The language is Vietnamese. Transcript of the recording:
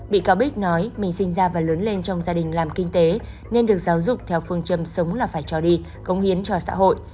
bị cáo bích nói mình sinh ra và lớn lên trong gia đình làm kinh tế nên được giáo dục theo phương châm sống là phải cho đi công hiến cho xã hội